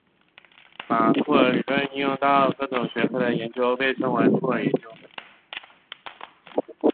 把酷儿理论应用到各种学科的研究被称为酷儿研究。